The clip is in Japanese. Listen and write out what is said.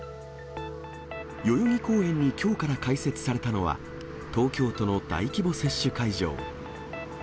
代々木公園にきょうから開設されたのは、東京都の大規模接種会場。